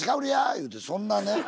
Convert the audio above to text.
言うてそんなね。